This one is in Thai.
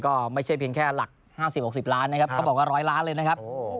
ก็ไม่ใช่เพียงแค่หลัก๕๐๖๐ล้านนะครับเขาบอกว่า๑๐๐ล้านเลยนะครับ